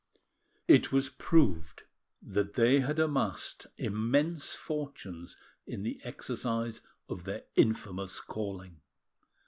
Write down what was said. It was proved that they had amassed immense fortunes in the exercise of their infamous calling.